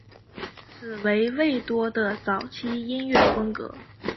此为魏多的早期音乐风格。